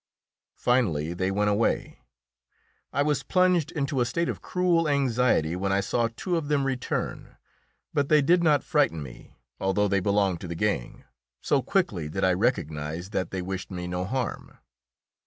Finally they went away. I was plunged into a state of cruel anxiety when I saw two of them return. But they did not frighten me, although they belonged to the gang, so quickly did I recognise that they wished me no harm.